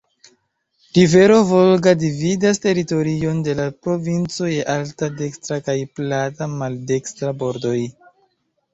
Rivero Volga dividas teritorion de la provinco je alta dekstra kaj plata maldekstra bordoj.